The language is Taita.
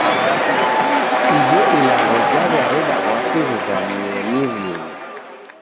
Ijo ilagho jaw'iareda w'asi ghuzamie miw'inyi.